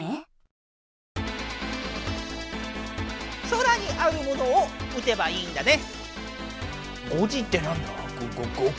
空にあるものを撃てばいいんだね。